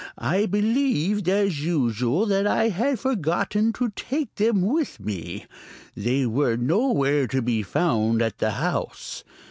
I believed as usual that I had forgotten to take them with me. They were nowhere to be found at the house.